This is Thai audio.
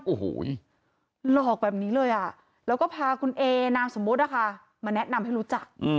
โอ้โหหลอกแบบนี้เลยอ่ะแล้วก็พาคุณเอนามสมมุตินะคะมาแนะนำให้รู้จัก